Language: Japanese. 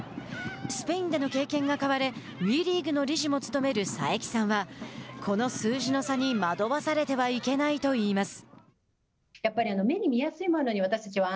スペインでの経験が買われＷＥリーグの理事も務める佐伯さんはこの数字の差に惑わされてはいけないといいます。